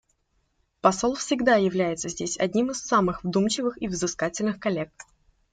Посол всегда является здесь одним из самых вдумчивых и взыскательных коллег.